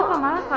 gak apa apa mbak